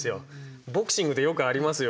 ボクシングでよくありますよ。